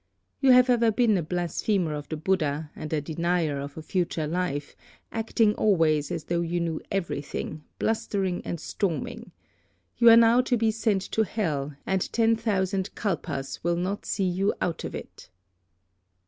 You have ever been a blasphemer of the Buddha, and a denier of a future life, acting always as though you knew everything, blustering and storming. You are now to be sent to hell, and ten thousand kalpas will not see you out of it.'